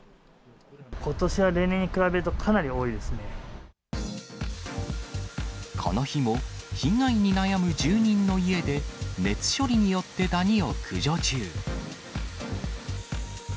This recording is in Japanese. ことしは例年に比べると、この日も、被害に悩む住人の家で、熱処理によってダニを駆除中。